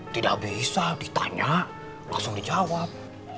tidak bisa ditanya langsung dijawab